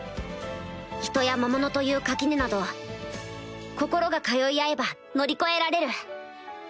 人や魔物という垣根など心が通い合えば乗り越えられる